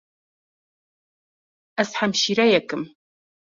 Ez hemşîreyek im.